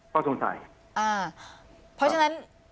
เพราะฉะนั้น